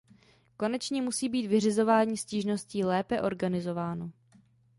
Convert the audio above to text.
Konečně musí být vyřizování stížností lépe organizováno.